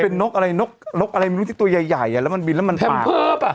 นกอะไรมีตัวใหญ่แล้วมันบินแล้วมันปาก